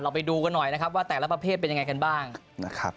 ไปดูกันหน่อยนะครับว่าแต่ละประเภทเป็นยังไงกันบ้างนะครับ